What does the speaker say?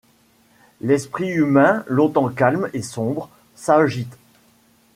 L'esprit humain ; longtemps calme et sombre, s'agite ;